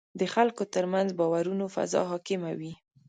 د خلکو ترمنځ باورونو فضا حاکمه وي.